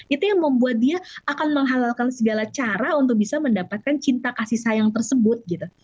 itu yang membuat dia akan menghalalkan segala cara untuk bisa mendapatkan cinta kasih sayang tersebut gitu